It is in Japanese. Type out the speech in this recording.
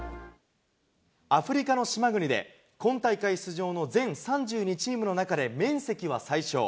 アフリカの島国で、今大会出場の全３２チームの中で、面積は最小。